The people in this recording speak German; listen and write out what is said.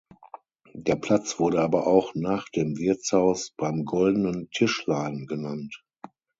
Der Platz wurde aber auch nach dem Wirtshaus "Beim Goldenen Tischlein" genannt.